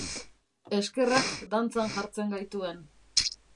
Eskerrak dantzan jartzen gaituen!